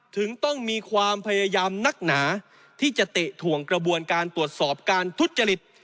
ถึงต้องมีความพยายามนักหนาที่จะเตะถ่วงกระบวนการตรวจสอบการทุจริต